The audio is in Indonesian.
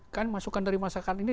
kan masukan dari masyarakat ini